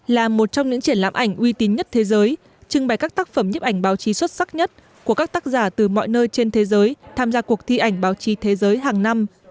là một trong những triển lãm ảnh uy tín nhất thế giới trưng bày các tác phẩm nhếp ảnh báo chí xuất sắc nhất của các tác giả từ mọi nơi trên thế giới tham gia cuộc thi ảnh báo chí thế giới hàng năm